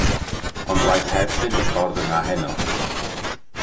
Ond waeth heb fynd y ffordd yna heno.